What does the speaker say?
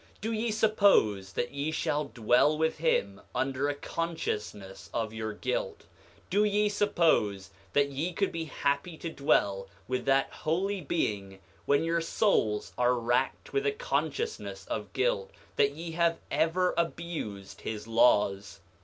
Do ye suppose that ye shall dwell with him under a consciousness of your guilt? Do ye suppose that ye could be happy to dwell with that holy Being, when your souls are racked with a consciousness of guilt that ye have ever abused his laws?